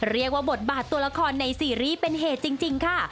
เรียกว่าบทบาทตัวละครในซีรีส์เป็นเหตุจริงค่ะ